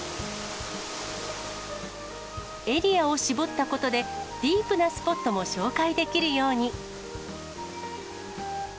エリアを絞ったことで、ディープなスポットも紹介できるように。